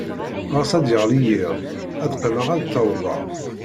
Ɣas ad d-yeɣli yiḍ, ad qqimeɣ ar d-tawḍeḍ.